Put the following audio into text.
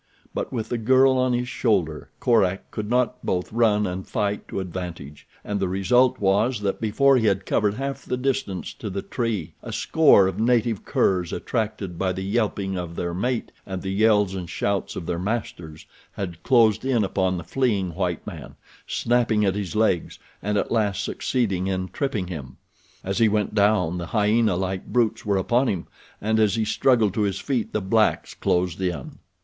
But with the girl on his shoulder Korak could not both run and fight to advantage, and the result was that before he had covered half the distance to the tree a score of native curs attracted by the yelping of their mate and the yells and shouts of their masters had closed in upon the fleeing white man, snapping at his legs and at last succeeding in tripping him. As he went down the hyena like brutes were upon him, and as he struggled to his feet the blacks closed in.